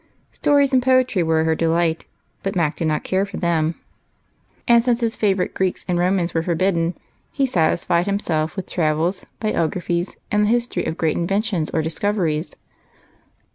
Stories and poetry were her delight, but Mac did not care for them ; and since his favorite Greeks and Romans were forbidden, he satisfied himself with travels, biographies, and the history of great inventions or discoveries.